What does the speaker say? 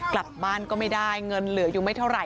กลับบ้านก็ไม่ได้เงินเหลืออยู่ไม่เท่าไห